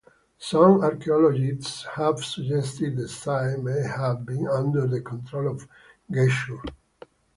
Some archaeologists have suggested the site may have been under the control of Geshur.